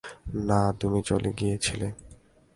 না, তুমি চলে গিয়েছিলে।